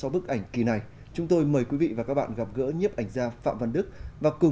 mấy cháu như vậy